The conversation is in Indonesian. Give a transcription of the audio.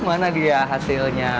mana dia hasilnya